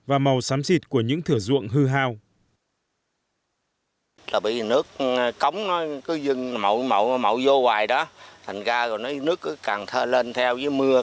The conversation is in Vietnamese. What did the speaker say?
và màu xám xịt của những thửa ruộng hư hao